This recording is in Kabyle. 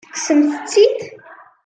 Tekksemt-tt-id?